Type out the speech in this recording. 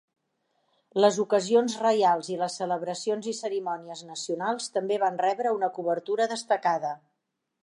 Les ocasions reials i les celebracions i cerimònies nacionals també van rebre una cobertura destacada.